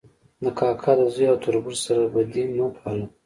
د کاکا د زوی او تربور سره بدي مه پاله